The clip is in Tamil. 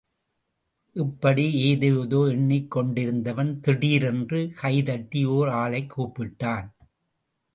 இப்படி ஏதேதோ எண்ணிக் கொண்டிருந்தவன் திடீரென்று, கைதட்டி ஓர் ஆளைக் கூப்பிட்டான்.